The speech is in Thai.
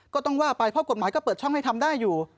ก็ต้องว่าไปเพราะกฎหมายก็เปิดช่องให้ทำได้อยู่